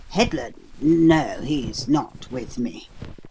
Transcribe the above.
Headland? No, he's not with me.